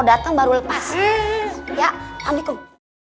datang baru lepas ya ambigung